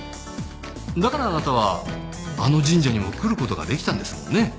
だからあなたはあの神社にも来る事が出来たんですもんね。